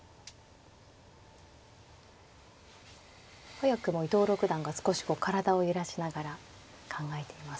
早くも伊藤六段が少し体を揺らしながら考えています。